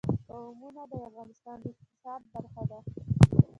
قومونه د افغانستان د اقتصاد برخه ده.